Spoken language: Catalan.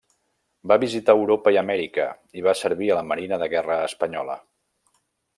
Va visitar Europa i Amèrica i va servir a la marina de guerra espanyola.